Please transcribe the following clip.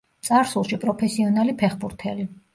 წარსულში პროფესიონალი ფეხბურთელი.